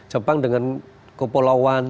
jepang dengan kepulauan